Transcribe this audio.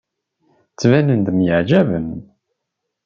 Ttbanen-d myeɛjaben.